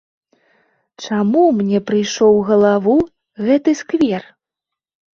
Чаму мне прыйшоў у галаву гэты сквер?